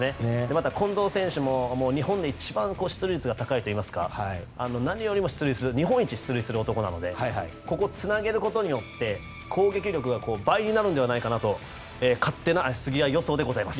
また近藤選手も日本で一番出塁率が高いといいますから何よりも日本一出塁する男なのでここをつなげることによって攻撃力が倍になるのではないかと勝手な杉谷予想でございます。